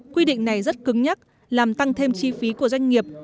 quy định này rất cứng nhắc làm tăng thêm chi phí của doanh nghiệp